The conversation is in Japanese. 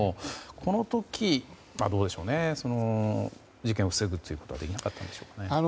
この時、事件を防ぐことはできなかったんでしょうか。